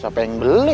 siapa yang beli